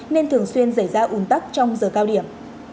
nên thường xuyên xảy ra ủn tắc trong giờ cao điểm